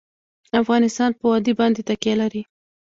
افغانستان په وادي باندې تکیه لري.